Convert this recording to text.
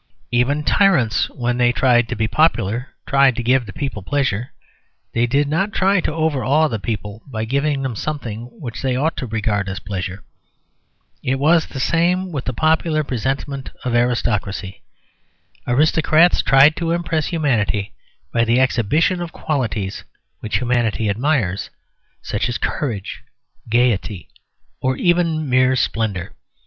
Even tyrants when they tried to be popular, tried to give the people pleasure; they did not try to overawe the people by giving them something which they ought to regard as pleasure. It was the same with the popular presentment of aristocracy. Aristocrats tried to impress humanity by the exhibition of qualities which humanity admires, such as courage, gaiety, or even mere splendour.